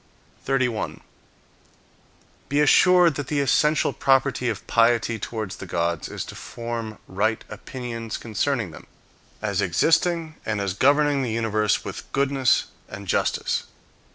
31. Be assured that the essential property of piety towards the gods is to form right opinions concerning them, as existing "I and as governing the universe with goodness and justice.